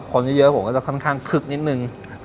คนเยอะผมก็จะค่อนข้างคึกนิดนึง